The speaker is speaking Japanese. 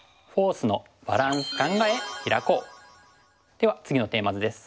では次のテーマ図です。